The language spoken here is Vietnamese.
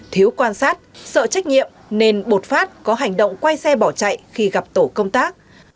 thiếu quan sát sợ trách nhiệm nên bột phát có hành động quay xe bỏ chạy khi gặp tổ công tác